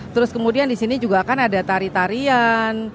terus kemudian di sini juga kan ada tari tarian